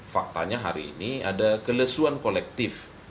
faktanya hari ini ada kelesuan kolektif